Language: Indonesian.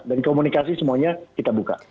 dan komunikasi semuanya kita buka